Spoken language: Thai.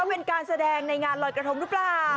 เป็นการแสดงในงานลอยกระทงหรือเปล่า